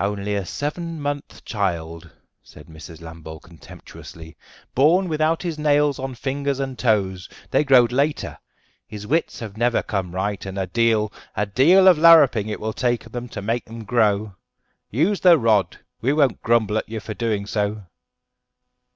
"Only a seven month child," said Mrs. Lambole contemptuously, "born without his nails on fingers and toes; they growed later. His wits have never come right, and a deal, a deal of larruping it will take to make 'em grow. Use the rod; we won't grumble at you for doing so."